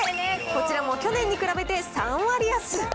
こちらも去年に比べて３割安。